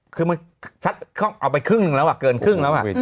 คือมันก็เอาไปครึ่งนะวะเกินครึ่งนะวะ